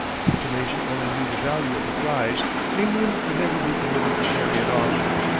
If the Nation only knew the value of the prize, England would never be permitted to carry it off.